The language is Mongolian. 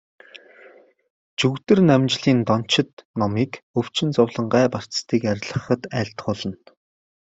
Жүгдэрнамжилын дончид номыг өвчин зовлон, гай барцдыг арилгахад айлтгуулна.